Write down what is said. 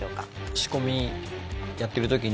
仕込みやってる時に。